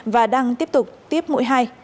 và đang tiếp tục tiếp mũi hai